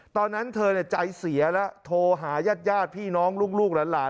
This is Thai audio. ตอนนั้นเธอใจเสียแล้วโทรหายาดพี่น้องลูกหลาน